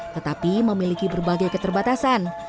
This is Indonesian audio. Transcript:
tetapi memiliki berbagai keterbatasan